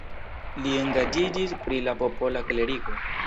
Li engaĝiĝis pri la popola klerigo.